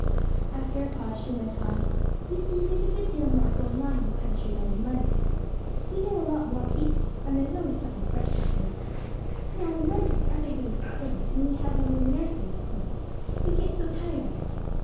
After a pause she went on, 'You see, there's a good deal more going on in the country than in London. We know a lot more people, and there's always something fresh happening. Now, in London every day is the same, and we have only the nursery to play in, we get so tired of it.